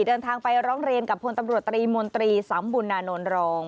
เดินทางไปร้องเรียนกับพลตำรวจตรีมนตรีสำบุญนานนทรอง